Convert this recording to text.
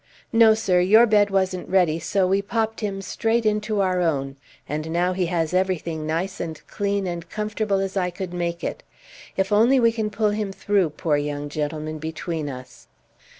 "No, sir, your bed wasn't ready, so we popped him straight into our own; and now he has everything nice and clean and comfortable as I could make it. If only we can pull him through, poor young gentleman, between us!"